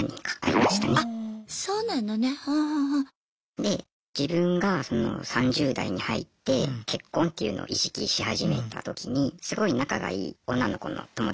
で自分がその３０代に入って結婚というのを意識し始めた時にすごい仲がいい女の子の友達がいたんですね。